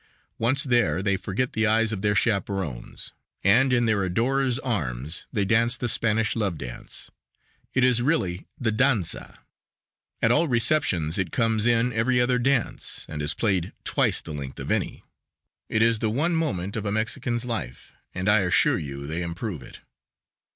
Once there they forget the eyes of their chaperons, and in their adorers' arms they dance the Spanish love dance. It is really the danza. At all receptions it comes in every other dance and is played twice the length of any. It is the one moment of a Mexican's life, and I assure you they improve it.